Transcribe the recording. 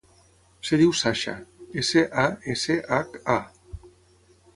Es diu Sasha: essa, a, essa, hac, a.